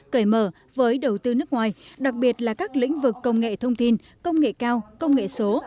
cởi mở với đầu tư nước ngoài đặc biệt là các lĩnh vực công nghệ thông tin công nghệ cao công nghệ số